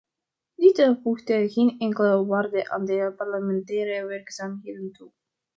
Dit voegt geen enkele waarde aan de parlementaire werkzaamheden toe.